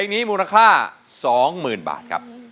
นี่มูลค่า๒๐๐๐๐บาท